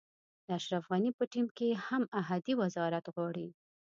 د اشرف غني په ټیم کې هم احدي وزارت غواړي.